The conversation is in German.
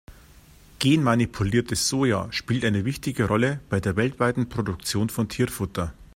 Genmanipuliertes Soja spielt eine wichtige Rolle bei der weltweiten Produktion von Tierfutter.